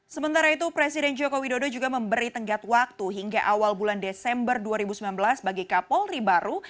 sementara itu presiden joko widodo juga memberi tenggat waktu hingga awal bulan desember dua ribu sembilan belas bagi kapolri baru